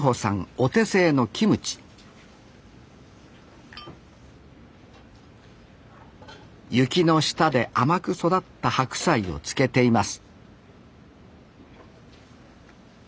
お手製のキムチ雪の下で甘く育った白菜を漬けています